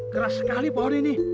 keras sekali pohon ini